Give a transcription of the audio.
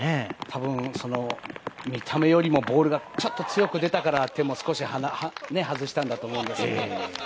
多分、見た目よりもボールがちょっと強く出たから手も、少し外したんだと思うんですけど。